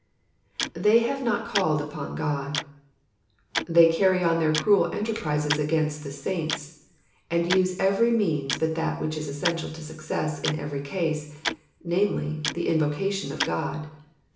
^^ITiey have not called upon God,''^ They carry on their cruel enterprises against the saints, and use every means but that which is essential to success in every case, namely, the invocation of Gk>d.